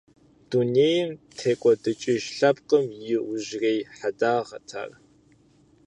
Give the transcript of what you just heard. Дунейм текӀуэдыкӀыж лъэпкъым и иужьрей хьэдагъэт ар…